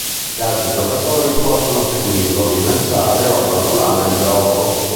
Gli altri giocatori possono seguirlo, rilanciare o abbandonare il gioco.